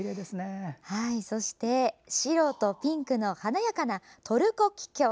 そして、白とピンクの華やかなトルコキキョウ。